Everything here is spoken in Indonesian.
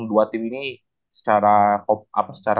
dua tim ini secara